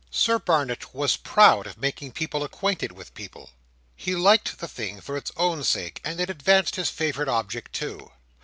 Sir Barnet was proud of making people acquainted with people. He liked the thing for its own sake, and it advanced his favourite object too.